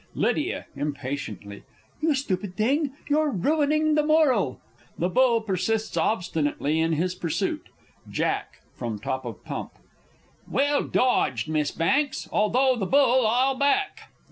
_ Lydia (impatiently). You stupid thing, you're ruining the moral! [The Bull persists obstinately in his pursuit. Jack (from top of pump). Well dodged, Miss Banks! although the Bull I'll back!